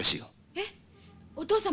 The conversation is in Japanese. えっお父様が⁉